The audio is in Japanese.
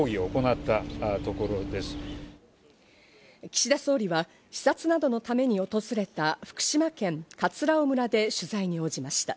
岸田総理は視察などのために訪れた福島県葛尾村で取材に応じました。